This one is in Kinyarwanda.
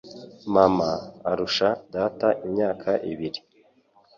Mama arusha data imyaka ibiri